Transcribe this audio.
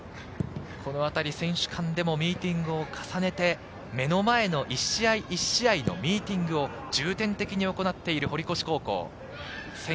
選手間でもミーティングを重ねて、目の前の１試合１試合のミーティングを重点的に行っている堀越高校。